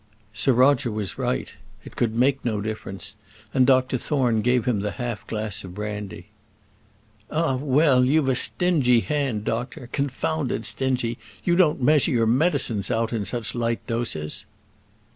Sir Roger was right. It could make no difference; and Dr Thorne gave him the half glass of brandy. "Ah, well; you've a stingy hand, doctor; confounded stingy. You don't measure your medicines out in such light doses."